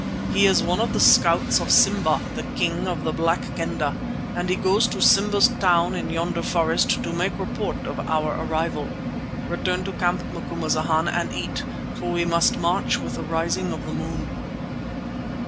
"He is one of the scouts of Simba, King of the Black Kendah, and he goes to Simba's town in yonder forest to make report of our arrival. Return to camp, Macumazana, and eat, for we must march with the rising of the moon."